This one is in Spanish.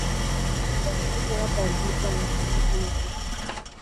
Actualmente juega para el Club Baloncesto Peñas Huesca.